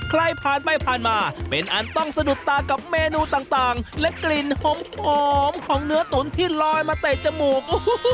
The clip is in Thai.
ใครผ่านไปผ่านมาเป็นอันต้องสะดุดตากับเมนูต่างและกลิ่นหอมของเนื้อตุ๋นที่ลอยมาเตะจมูก